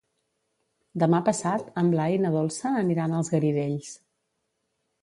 Demà passat en Blai i na Dolça aniran als Garidells.